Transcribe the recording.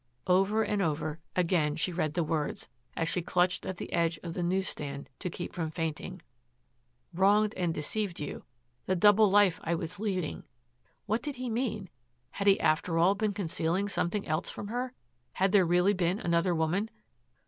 Over and over again she read the words, as she clutched at the edge of the news stand to keep from fainting "wronged and deceived you," "the double life I was leading." What did he mean? Had he, after all, been concealing something else from her? Had there really been another woman?